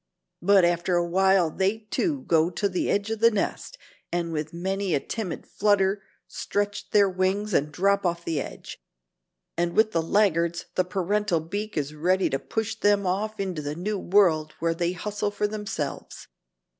But after a while they, too, go to the edge of the nest, and with many a timid flutter stretch their wings and drop off the edge. And with the laggards, the parental beak is ready to push them off into the new world where they hustle for themselves.